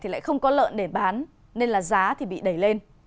lại không có lợn để bán nên giá bị đẩy lên